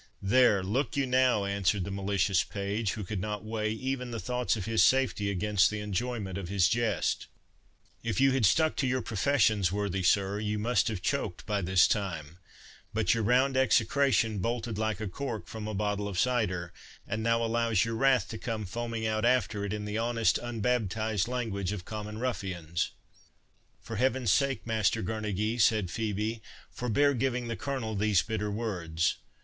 "There, look you now" answered the malicious page, who could not weigh even the thoughts of his safety against the enjoyment of his jest—"If you had stuck to your professions, worthy sir, you must have choked by this time; but your round execration bolted like a cork from a bottle of cider, and now allows your wrath to come foaming out after it, in the honest unbaptized language of common ruffians." "For Heaven's sake, Master Girnegy," said Phœbe, "forbear giving the Colonel these bitter words!